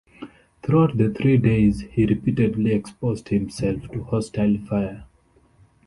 Throughout the three days, he repeatedly exposed himself to hostile fire.